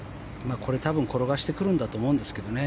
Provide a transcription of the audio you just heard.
これ、多分転がしてくるんだと思うんですけどね。